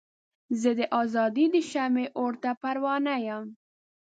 زه د ازادۍ د شمعې اور ته پروانه یمه.